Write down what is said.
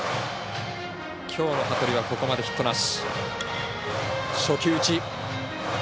きょう羽鳥はここまでヒットなし。